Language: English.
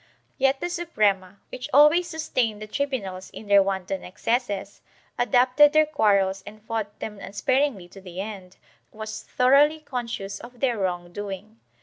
Yet the Suprema, which always sustained the tribunals in their wanton excesses, adopted their quarrels and fought them unspar ingly to the end, was thoroughly conscious of their wrong doing.